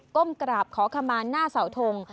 ้มกราบขอขมาหน้าเสาทง